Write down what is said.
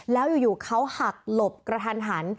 แล้วอยู่เขาหักหลบกระทันหัน